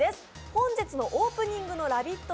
本日のオープニングのラヴィット！